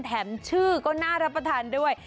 แถมชื่อก็น่ารับประทานด้วย